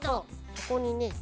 ここにね